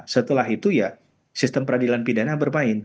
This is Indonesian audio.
setelah itu ya sistem peradilan pidana bermain